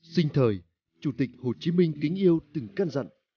sinh thời chủ tịch hồ chí minh kính yêu từng cân dặn